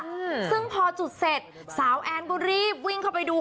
อืมซึ่งพอจุดเสร็จสาวแอนก็รีบวิ่งเข้าไปดู